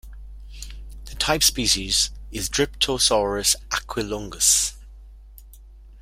The type species is "Dryptosaurus aquilunguis".